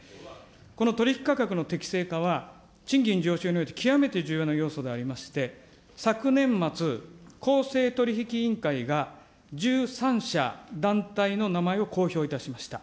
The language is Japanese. この取り引き価格の適正化は、賃金上昇において、極めて重要な要素でありまして、昨年末、公正取引委員会が１３社団体の名前を公表いたしました。